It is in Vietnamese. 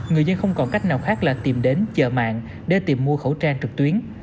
người dân không còn cách nào khác là tìm đến chợ mạng để tìm mua khẩu trang trực tuyến